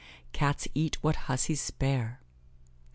"Cats eat what hussies spare."